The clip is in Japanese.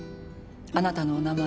あなたのお名前。